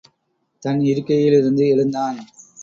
தன் இருக்கையிலிருந்து எழுந்தான்.